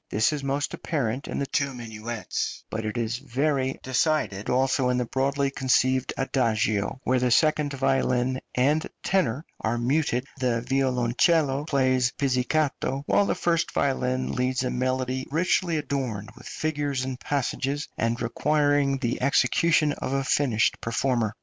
This is most apparent in the two minuets, but it is very decided also in the broadly conceived adagio, where the second violin and tenor are muted, the violoncello plays pizzicato, while the first violin leads a melody richly adorned with figures and passages, and requiring the execution of a finished performer.